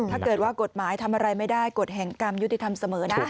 ถ้าเกิดว่ากฎหมายทำอะไรไม่ได้กฎแห่งกรรมยุติธรรมเสมอนะ